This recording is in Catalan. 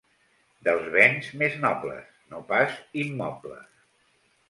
Dels bens més nobles, no pas immobles.